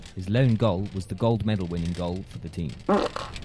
His lone goal was the gold medal winning goal for the team.